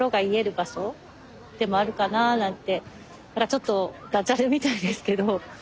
ちょっとダジャレみたいですけど